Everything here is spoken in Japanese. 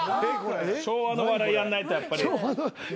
昭和の笑いやんないとやっぱり。